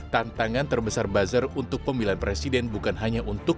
tantangan terbesar buzzer untuk pemilihan presiden bukan hanya untuk